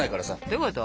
どういうこと？